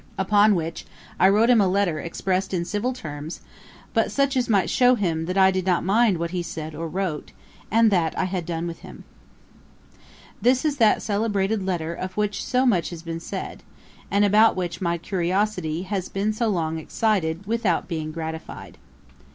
Upon which, I wrote him a letter expressed in civil terms, but such as might shew him that I did not mind what he said or wrote, and that I had done with him.' [Page 260: Johnson's spelling. A.D. 1754.] This is that celebrated letter of which so much has been said, and about which curiosity has been so long excited, without being gratified.